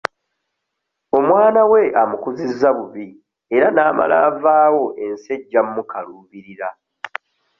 Omwana we amukuzizza bubi era n'amala avaawo ensi ejja mmukaluubirira.